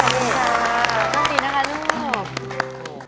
สวัสดีค่ะสวัสดีนะคะลูก